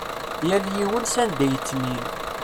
Yal yiwen s anda i yettmil.